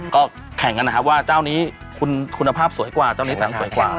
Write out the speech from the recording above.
ก็แข่งกันนะครับว่าเจ้านี้คุณภาพสวยกว่าเจ้านี้แต่งสวยกว่า